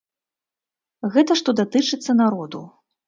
Гэта што датычыцца народу.